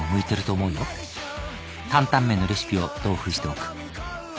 「担々麺のレシピを同封しておく」